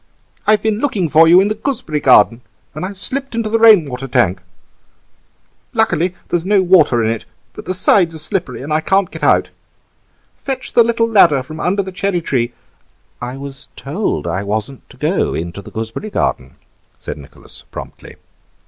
I've been looking for you in the gooseberry garden, and I've slipped into the rain water tank. Luckily there's no water in it, but the sides are slippery and I can't get out. Fetch the little ladder from under the cherry tree—" "I was told I wasn't to go into the gooseberry garden," said Nicholas promptly.